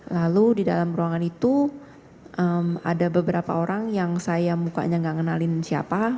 lalu di dalam ruangan itu ada beberapa orang yang saya mukanya nggak kenalin siapa